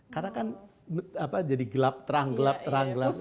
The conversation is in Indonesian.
karena kan apa jadi gelap terang gelap terang gelap terang